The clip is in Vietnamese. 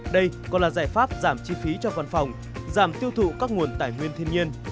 đây còn là giải pháp giảm chi phí cho văn phòng giảm tiêu thụ các nguồn tài nguyên thiên nhiên